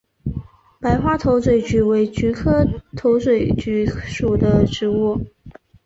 白花头嘴菊为菊科头嘴菊属的植物。